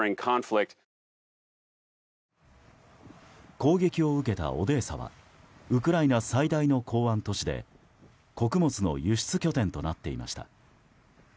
攻撃を受けたオデーサはウクライナ最大の港湾都市で穀物の輸出拠点となっていました。